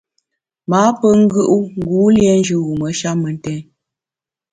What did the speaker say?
M’â pe ngù u ngu lienjù wume sha mentèn.